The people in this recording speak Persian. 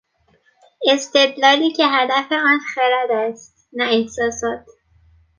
استدلالی که هدف آن خرد است نه احساسات